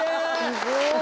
すごい。